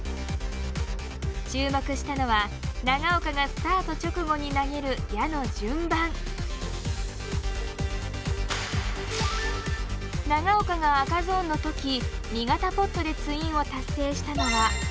注目したのは長岡がスタート直後に長岡が赤ゾーンの時２型ポットでツインを達成したのは。